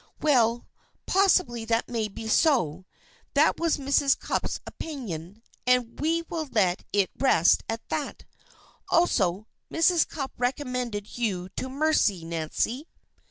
"Well, possibly that may be so. That was Mrs. Cupp's opinion, and we will let it rest at that. Also, Mrs. Cupp recommended you to mercy, Nancy."